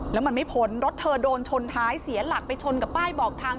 แล้วมันไม่พ้นรถเธอโดนชนท้ายเสียหลักไปชนกับป้ายบอกทาง